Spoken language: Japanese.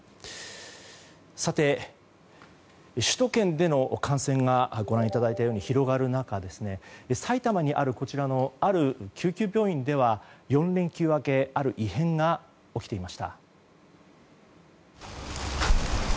さて、首都圏での感染がご覧いただいているように広がる中埼玉にある、ある救急病院では４連休明けある異変が起きていました。